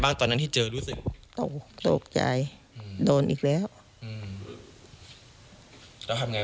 มันอยู่ตรงไหนล่ะคุณผู้ชาย